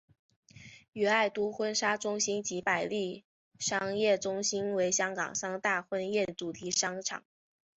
与爱都婚纱中心及百利商业中心为香港三大婚宴主题商场。